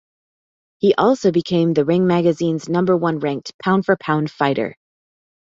He also became the Ring Magazine's number one ranked pound-for-pound fighter.